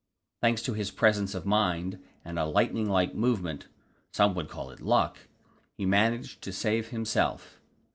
Thanks to his presence of mind and a lightning like movement some would call it luck he managed to save himself.